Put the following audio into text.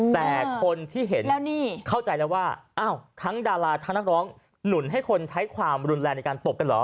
แต่คนที่เห็นเข้าใจแล้วว่าอ้าวทั้งดาราทั้งนักร้องหนุนให้คนใช้ความรุนแรงในการตบกันเหรอ